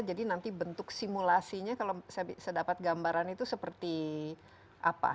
jadi nanti bentuk simulasinya kalau saya dapat gambaran itu seperti apa